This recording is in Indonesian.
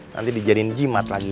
nanti dijadiin jimat lagi